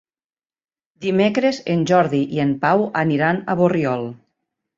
Dimecres en Jordi i en Pau aniran a Borriol.